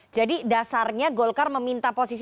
jadi dasarnya golkar meminta posisi